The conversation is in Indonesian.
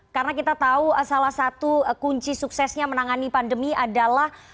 karena kita tahu salah satu kunci suksesnya menangani pandemi adalah